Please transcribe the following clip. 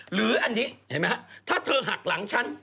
หรืออันนี้ถ้าเธอหักหลังฉัน